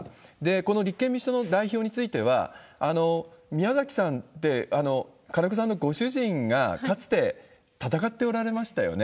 この立憲民主党の代表については、みやざきさんって、金子さんのご主人がかつて戦っておられましたよね。